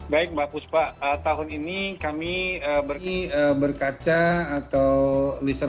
baik mbak puspa tahun ini kami berkaca atau listen